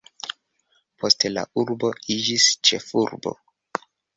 Poste la urbo iĝis ĉefurbo.